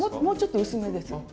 もうちょっと薄めです。